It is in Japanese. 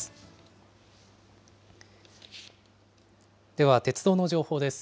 では鉄道の情報です。